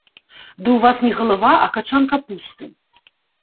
Ды ў вас не галава, а качан капусты.